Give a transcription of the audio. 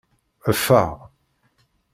Ffeɣ.